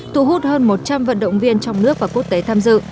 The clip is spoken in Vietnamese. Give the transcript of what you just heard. thu hút hơn một trăm linh vận động viên trong nước và quốc tế tham dự